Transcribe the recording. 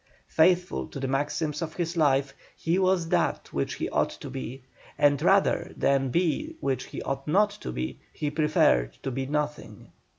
Faithful to the maxims of his life, HE WAS THAT WHICH HE OUGHT TO BE, and rather than be that which he ought not to be he preferred TO BE NOTHING.